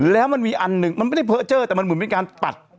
แล้วมันมีอันหนึ่งมันไม่ได้เพอร์เจอร์แต่มันเหมือนเป็นการปัด